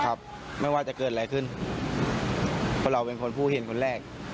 ไม่ว่าจะเกิดอะไรขึ้นเพราะเราเป็นคนผู้เห็นคนแรก